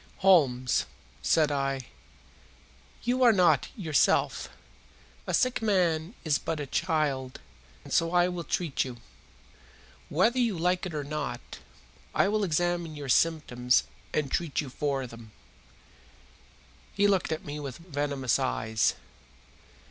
"Holmes," said I, "you are not yourself. A sick man is but a child, and so I will treat you. Whether you like it or not, I will examine your symptoms and treat you for them." He looked at me with venomous eyes.